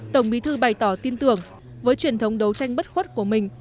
tổng bí thư bày tỏ tin tưởng với truyền thống đấu tranh bất khuất của mình